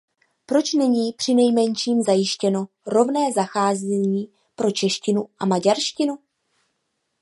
Proč není přinejmenším zajištěno rovné zacházení pro češtinu a maďarštinu?